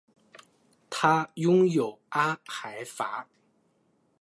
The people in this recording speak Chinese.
它拥有阿海珐。